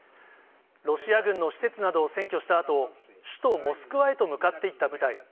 ロシア軍の施設などを占拠したあと、首都モスクワへと向かっていった部隊。